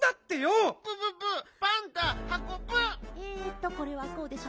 えっとこれはこうでしょ。